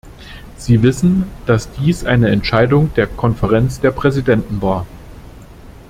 Sie wissen, dass dies eine Entscheidung der Konferenz der Präsidenten war.